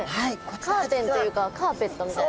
カーテンというかカーペットみたいな。